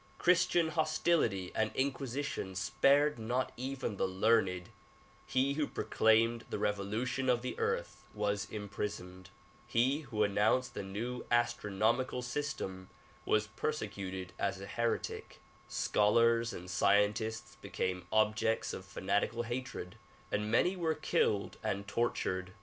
Christian hostility and inquisi tion spared not even the learned ; he who proclaimed the revolution of the earth was imprisoned ; he who announced the new astronom ical system was persecuted as a heretic ; scholars and scientists became objects of fanatical hatred and many were killed and tortured.